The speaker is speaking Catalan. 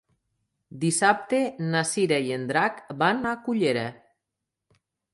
Dissabte na Cira i en Drac van a Cullera.